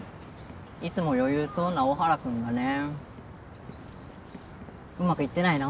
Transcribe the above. いつも余裕そうな大原君がねえうまくいってないの？